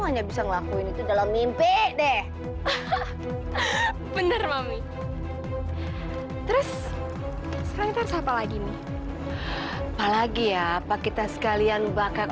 hanya bisa ngelakuin itu dalam mimpi deh bener mami terus apa lagi ya pak kita sekalian bakar